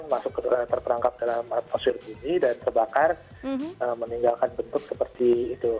masuk ke terperangkap dalam posil ini dan terbakar meninggalkan bentuk seperti itu